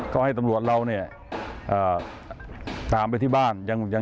ก็ให้ตำรวจเราเนี่ยตามไปที่บ้านยัง